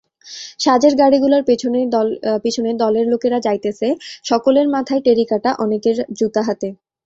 সাজের গাড়িগুলার পিছনে দলের লোকেরা যাইতেছে, সকলের মাথায় টেরিকাটা, অনেকের জুতা হাতে।